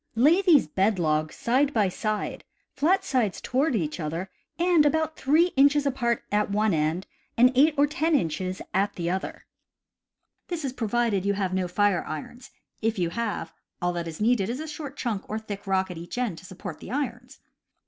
Lay these bed logs side by side, flat sides toward each other, and about 3 inches apart at one end and 8 or 10 inches at the other. (This is provided you have no fire irons; if you have, all that is needed is a short chunk or thick rock at each end to support the irons.)